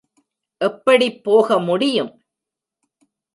எப்படிப் போக முடியும்?